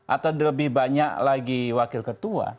atau lebih banyak lagi wakil ketua